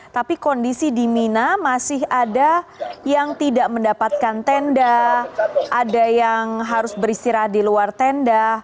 tapi kondisi di mina masih ada yang tidak mendapatkan tenda ada yang harus beristirahat di luar tenda